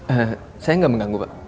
eh saya gak mengganggu pak